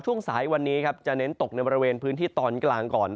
ช่วงสายวันนี้ครับจะเน้นตกในบริเวณพื้นที่ตอนกลางก่อน